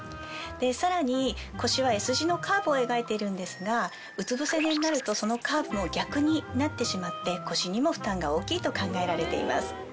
さらに腰はＳ字のカーブを描いているんですがうつ伏せ寝になるとそのカーブも逆になってしまって腰にも負担が大きいと考えられています。